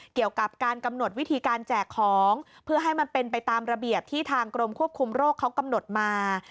เกี่ยวกับการกำหนดวิธีการแจกของเพื่อให้มันเป็นไปตามระเบียบที่ทางกรมควบคุมโรคเขากำหนดมา